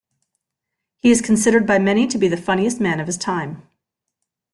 He is considered by many to be the funniest man of his time.